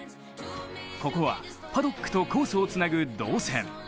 ここはパドックとコースをつなぐ導線。